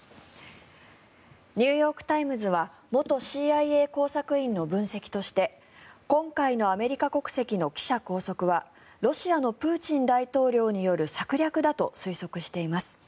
ニューヨーク・タイムズは元ＣＩＡ工作員の分析として今回のアメリカ国籍の記者拘束はロシアのプーチン大統領による策略だと推測しています。